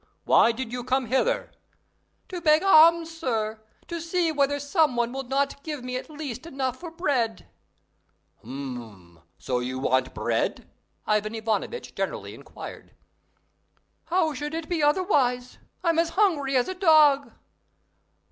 why did you come hither?" "To beg alms, sir, to see whether some one will not give me at least enough for bread." "Hm! so you want bread?" Ivan Ivanovitch generally inquired. "How should it be otherwise? I am as hungry as a dog."